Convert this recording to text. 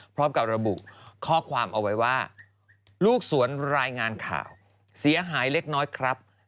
พร้อมกับระบุข้อความเอาไว้ว่าลูกสวนรายงานข่าวเสียหายเล็กน้อยครับ